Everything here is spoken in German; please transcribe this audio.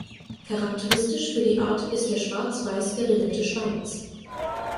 Charakteristisch für die Art ist der schwarz-weiß geringelte Schwanz.